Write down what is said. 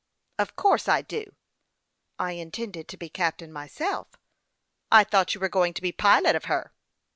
211 " Of course I do." " I intended to be captain myself." " I thought you were going to be pilot of her."